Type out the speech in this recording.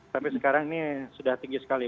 sampai sekarang ini sudah tinggi sekali